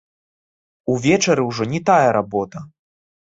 Увечары ўжо не тая работа.